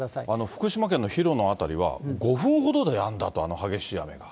福島県の広野辺りは５分ほどでやんだと、あの激しい雨が。